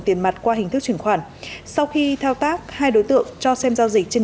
tiền mặt qua hình thức chuyển khoản sau khi thao tác hai đối tượng cho xem giao dịch trên